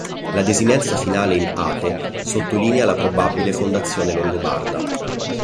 La desinenza finale in -ate sottolinea la probabile fondazione longobarda.